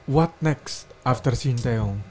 apa yang akan terjadi setelah sinteyong